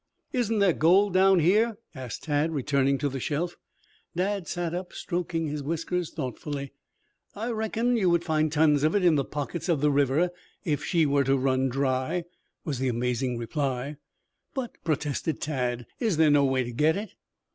"Isn't there gold down here?" asked Tad, returning to the shelf. Dad sat up, stroking his whiskers thoughtfully. "I reckon you would find tons of it in the pockets of the river if she were to run dry," was the amazing reply. "But," protested Tad, "is there no way to get it?"